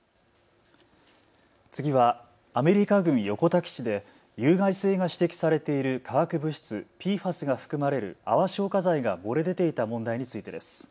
次はアメリカ軍横田基地で有害性が指摘されている化学物質、ＰＦＡＳが含まれる泡消火剤が漏れ出ていた問題についてです。